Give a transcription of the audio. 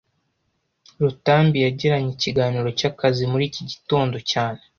Rutambi yagiranye ikiganiro cyakazi muri iki gitondo cyane